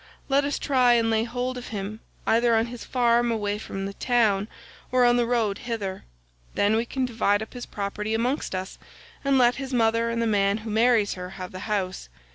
Let us try and lay hold of him either on his farm away from the town, or on the road hither. Then we can divide up his property amongst us, and let his mother and the man who marries her have the house.